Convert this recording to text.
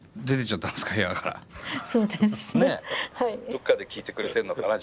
どっかで聴いていてくれてるのかな？